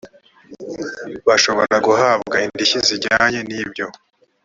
bashobora guhabwa indishyi zijyanye n ibyo